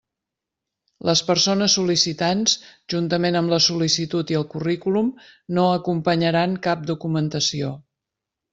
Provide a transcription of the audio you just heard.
Les persones sol·licitants juntament amb la sol·licitud i el currículum no acompanyaran cap documentació.